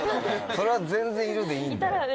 それは全然「いる」でいいんだよ。